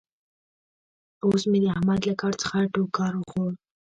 اوس مې د احمد له کار څخه ټوکار وخوړ.